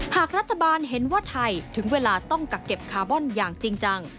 หากรัฐบาลเห็นว่าไทยถึงเวลาต้องกักเก็บคาร์บอนอย่างจริงจัง